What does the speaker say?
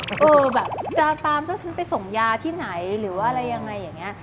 เออแบบจะตามเจ้าฉันไปส่งยาที่ไหนหรือว่าอะไรยังไงอย่างนี้